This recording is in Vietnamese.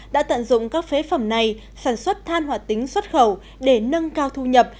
đã tận dụng các phế phẩm này sản xuất than hoạt tính xuất khẩu để nâng cao thu nhập